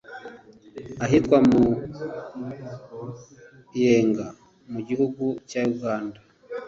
ahitwa Muyenga mu gihugu cya Uganda